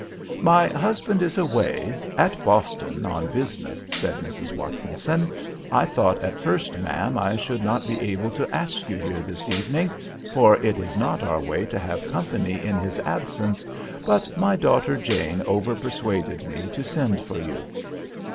"My husband is away, at Boston, on business," said Mrs. Watkinson. "I thought at first, ma'am, I should not be able to ask you here this evening, for it is not our way to have company in his absence; but my daughter Jane over persuaded me to send for you."